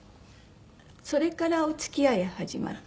それからお付き合いが始まって。